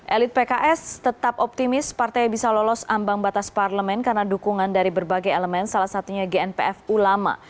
elit pks tetap optimis partai bisa lolos ambang batas parlemen karena dukungan dari berbagai elemen salah satunya gnpf ulama